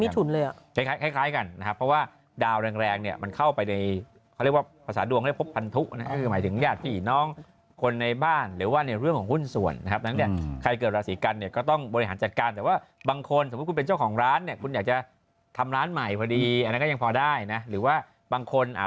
ถ้าดวงเมืองก็เขาเหมือนแบบอยู่อ่ะดิมันจะจะเริ่มจะเริ่มมีอะไรใหม่ใหม่อ่า